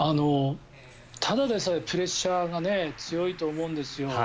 ただでさえプレッシャーが強いと思うんですよ。